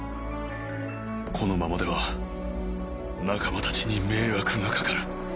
「このままでは仲間たちに迷惑がかかる」。